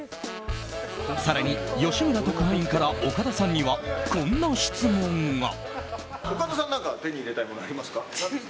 更に、吉村特派員から岡田さんにはこんな質問が。